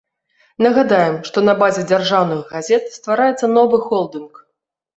Нагадаем, што на базе дзяржаўных газет ствараецца новы холдынг.